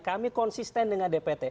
kami konsisten dengan dpt